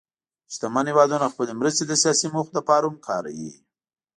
شتمن هېوادونه خپلې مرستې د سیاسي موخو لپاره هم کاروي.